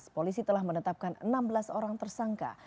polisi telah menetapkan enam belas orang tersangka